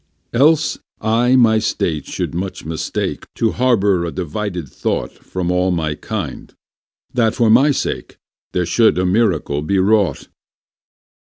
Else I my state should much mistake To harbour a divided thought From all my kindthat, for my sake, There should a miracle be wrought.